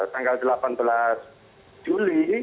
tanggal delapan belas juli